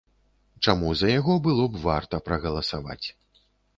Чаму за яго было б варта прагаласаваць.